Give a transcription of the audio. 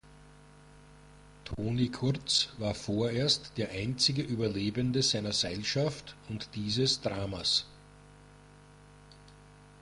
Toni Kurz war vorerst der einzige Überlebende seiner Seilschaft und dieses Dramas.